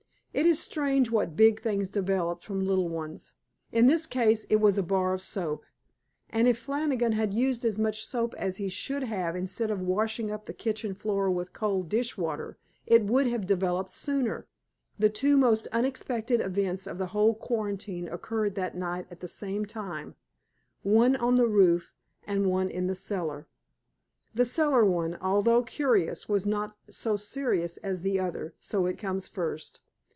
It is strange what big things develop from little ones. In this case it was a bar of soap. And if Flannigan had used as much soap as he should have instead of washing up the kitchen floor with cold dish water, it would have developed sooner. The two most unexpected events of the whole quarantine occurred that night at the same time, one on the roof and one in the cellar. The cellar one, although curious, was not so serious as the other, so it comes first.